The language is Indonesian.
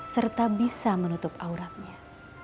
serta bisa menutup auratnya